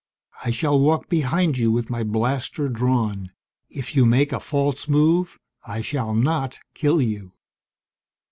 "I shall walk behind you with my blaster drawn. If you make a false move, I shall not kill you."